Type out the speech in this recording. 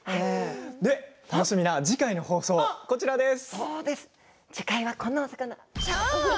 楽しみな次回の放送はこちらです。